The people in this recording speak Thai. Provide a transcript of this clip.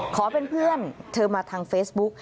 ขอเป็นเพื่อนเธอมาทางเฟซบุ๊ก